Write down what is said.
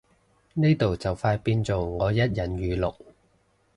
呢度就快變做我一人語錄